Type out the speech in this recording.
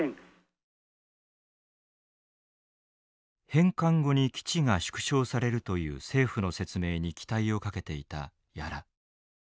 返還後に基地が縮小されるという政府の説明に期待をかけていた屋良。